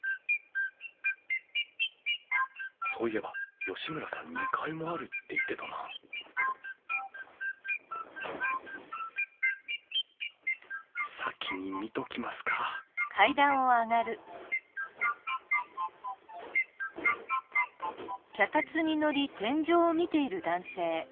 そういえば吉村さん２階もあるって言ってたな先に見ときますかあれ？